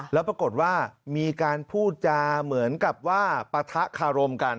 แล้วปรากฏว่ามีการพูดจาเหมือนกับว่าปะทะคารมกัน